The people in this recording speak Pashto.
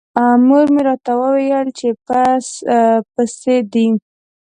مور مې راته وویل چې پس پسي دی.